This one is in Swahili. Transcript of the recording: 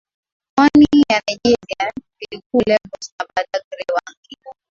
pwani ya Nigeria vilikuwa Lagos na Badagry Wangi